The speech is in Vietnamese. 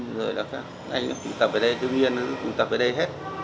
rồi là các anh tụ tập ở đây tự nhiên tụ tập ở đây hết